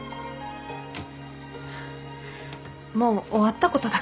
もう終わったことだから。